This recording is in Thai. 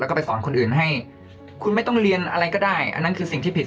แล้วก็ไปสอนคนอื่นให้คุณไม่ต้องเรียนอะไรก็ได้อันนั้นคือสิ่งที่ผิด